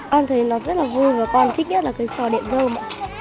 con thấy nó rất là vui và con thích nhất là cái trò điện rơm